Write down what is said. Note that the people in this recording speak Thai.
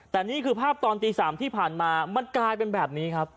แต่นี่คือภาพตอนตี๓ที่ผ่านมามันกลายเป็นแบบนี้ครับ